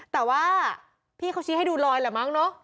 แต่ว่าพี่เขาชี้ให้ดูรอยแหละมั้งเนอะ